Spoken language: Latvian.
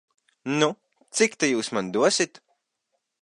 Nu, cik ta jūs man dosit?